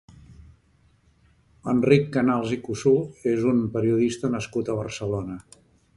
Enric Canals i Cussó és un periodista nascut a Barcelona.